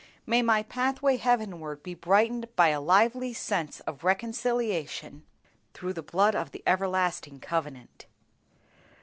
May my pathway heavenward be brightened by a lively sense of reconciliation through the blood of the everlasting covenant.